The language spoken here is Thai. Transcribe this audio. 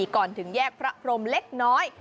ก่อนถึงแยกพระพรมเล็กน้อย